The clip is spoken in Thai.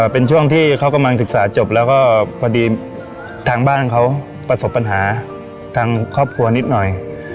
เป็นช่วงที่เขากำลังศึกษาจบแล้วก็พอดีทางบ้านเขาประสบปัญหาทางครอบครัวนิดหน่อย